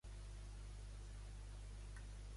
Gràcies a qui van aconseguir entrar a Hèlice?